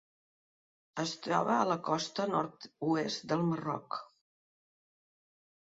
Es troba a la costa nord-oest del Marroc.